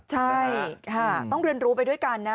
ใช่ค่ะต้องเรียนรู้ไปด้วยกันนะ